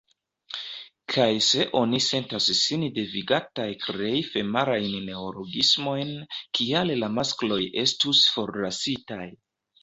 Kaj se oni sentas sin devigataj krei femalajn neologismojn, kial la maskloj estus forlasitaj?